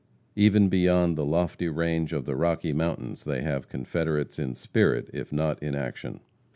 Even beyond the lofty range of the Rocky Mountains they have confederates in spirit, if not in action.